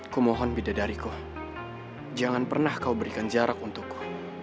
ku mohon bidadariku jangan pernah kau berikan jarak untuk ku